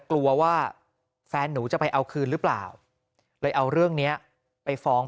กลัวว่าแฟนหนูจะไปเอาคืนหรือเปล่าเลยเอาเรื่องนี้ไปฟ้อง